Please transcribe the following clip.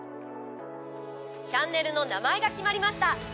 チャンネルの名前が決まりました。